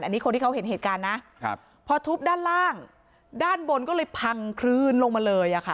อันนี้คนที่เขาเห็นเหตุการณ์นะครับพอทุบด้านล่างด้านบนก็เลยพังคลื่นลงมาเลยอะค่ะ